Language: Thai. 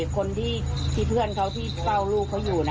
คนที่เพื่อนเขาที่เฝ้าลูกเขาอยู่